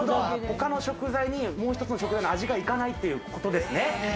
他の食材に、もう一つの食材の味がいかないということですね。